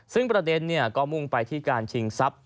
ซึ่งประเด็นก็มุ่งไปที่การชิงทรัพย